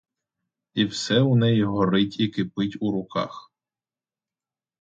І все у неї горить і кипить у руках.